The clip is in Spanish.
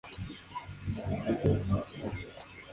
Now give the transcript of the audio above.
En el sistema binario solo se necesitan dos cifras.